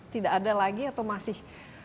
tidak ada lagi atau masih